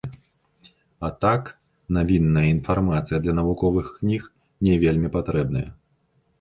А так, навінная інфармацыя для навуковых кніг не вельмі патрэбная.